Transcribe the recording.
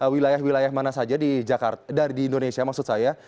wilayah wilayah mana saja di indonesia maksud saya